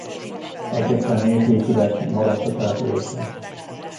Egyetlen ép épület sem maradt a településen.